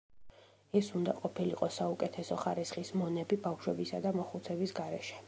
ეს უნდა ყოფილიყო საუკეთესო ხარისხის მონები, ბავშვებისა და მოხუცების გარეშე.